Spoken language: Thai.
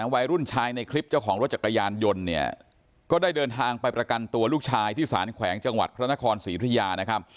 วัยรุ่นชายในคลิปเจ้าของรถจักรยานยนต์เนี่ยก็ได้เดินทางไปประกันตัวลูกชายที่สารแขวงจังหวัดพระนครศรีธุยานะครับ